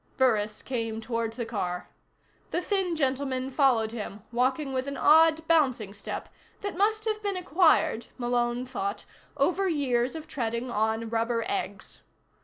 Burris came toward the car. The thin gentleman followed him, walking with an odd bouncing step that must have been acquired, Malone thought, over years of treading on rubber eggs.